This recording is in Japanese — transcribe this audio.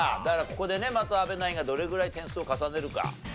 だからここでねまた阿部ナインがどれぐらい点数を重ねるか。